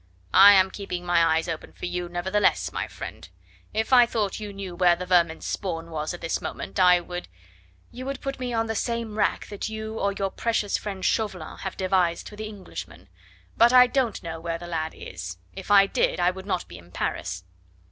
"I am keeping my eyes open for you, nevertheless, my friend. If I thought you knew where the vermin's spawn was at this moment I would " "You would put me on the same rack that you or your precious friend, Chauvelin, have devised for the Englishman. But I don't know where the lad is. If I did I would not be in Paris."